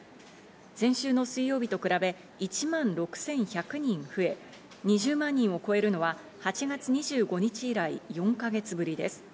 先週の水曜日と比べ１万６１００人増え、２０万人を超えるのは８月２５日以来４か月ぶりです。